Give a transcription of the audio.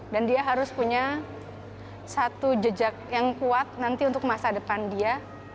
dan dia harus punya satu jejak yang kuat nanti untuk masa depan dia